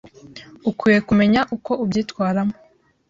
ukwiye kumenya uko ubyitwaramo